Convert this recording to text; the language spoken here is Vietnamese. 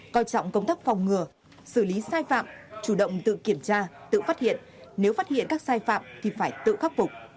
coi trọng công tác phòng ngừa xử lý sai phạm chủ động tự kiểm tra tự phát hiện nếu phát hiện các sai phạm thì phải tự khắc phục